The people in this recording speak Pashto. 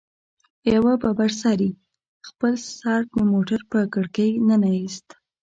يوه ببر سري خپل سر د موټر په کړکۍ ننه ايست.